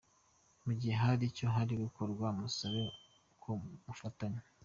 Mu gihe hari icyo uri gukora musabe ko mufatanya.